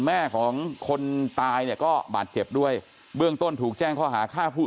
แม่ของคนตายเนี่ยก็บาดเจ็บด้วยเบื้องต้นถูกแจ้งข้อหาฆ่าผู้